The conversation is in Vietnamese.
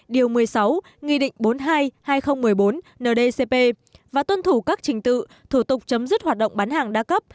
điều một mươi sáu nghị định bốn mươi hai hai nghìn một mươi bốn ndcp và tuân thủ các trình tự thủ tục chấm dứt hoạt động bán hàng đa cấp